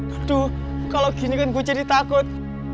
aduh kalau gini kan gue jadi takut